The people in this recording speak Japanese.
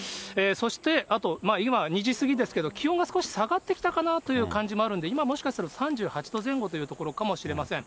そして、あと今２時過ぎですけれども、気温が少し下がってきたかなという感じもあるんで、今もしかすると、３８度前後というところかもしれません。